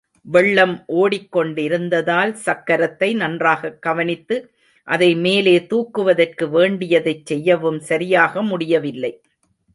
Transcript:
வெள்ளம் ஓடிக்கொண்டிருந்ததால் சக்கரத்தை நன்றாகக் கவனித்து அதை மேலே தூக்குவதற்கு வேண்டியதைச் செய்யவும் சரியாக முடியவில்லை.